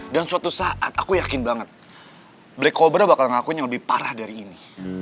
dan suatu saat aku yakin banget black cobra bakal ngakuin yang lebih parah dari ini